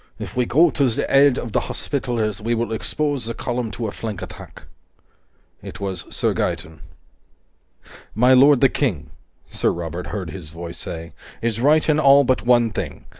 If we go to the aid of the Hospitallers, we will expose the column to a flank attack." It was Sir Gaeton. "My lord the King," Sir Robert heard his voice say, "is right in all but one thing.